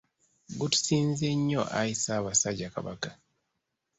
Gutusinze nnyo Ayi Ssaabasajja Kabaka.